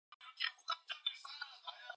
가장 약한 가운데 가장 큰 힘이 있는 것이다.